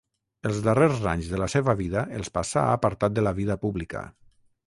Els darrers anys de la seva vida els passà apartat de la vida pública.